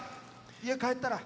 家帰ったら。